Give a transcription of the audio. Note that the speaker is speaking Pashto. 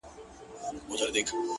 • د ټپې په رزم اوس هغه ده پوه سوه،